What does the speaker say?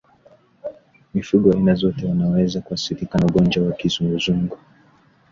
Mifugo aina zote wanaweza kuathirika na ugonjwa wa kizunguzungu